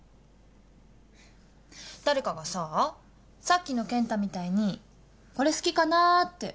誰かがさぁさっきの健太みたいに「これ好きかな？」って